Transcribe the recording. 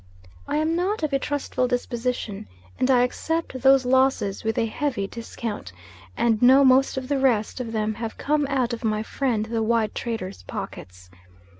I am not of a trustful disposition and I accept those "losses" with a heavy discount, and know most of the rest of them have come out of my friend the white trader's pockets.